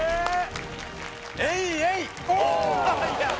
エイエイオ！